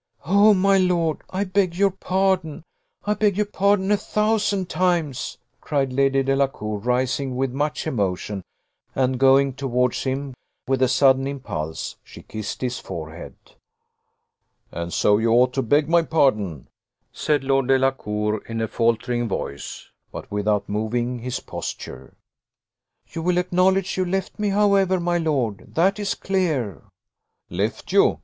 "Oh, my lord! I beg your pardon, I beg your pardon a thousand times," cried Lady Delacour, rising with much emotion; and, going towards him with a sudden impulse, she kissed his forehead. "And so you ought to beg my pardon," said Lord Delacour, in a faltering voice, but without moving his posture. "You will acknowledge you left me, however, my lord? That is clear." "Left you!